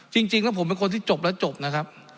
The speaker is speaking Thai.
จริงแล้วผมเป็นคนที่จบแล้วจบนะครับ